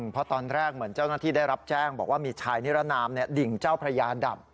เพราะตอนแรกเหมือนเจ้าหน้าที่ได้รับแจ้งบอกว่ามีชายนิรนามดิ่งเจ้าพระยาดับ